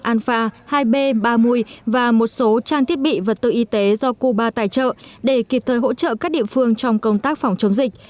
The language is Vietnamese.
anfa hai b ba mươi và một số trang thiết bị vật tư y tế do cuba tài trợ để kịp thời hỗ trợ các địa phương trong công tác phòng chống dịch